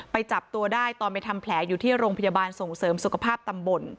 จับตัวได้ตอนไปทำแผลอยู่ที่โรงพยาบาลส่งเสริมสุขภาพตำบล